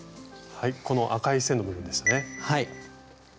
この赤い線の部分ですね。